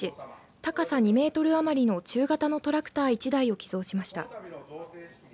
高さ２メートル余りの中型のトラクター１台を寄贈しました。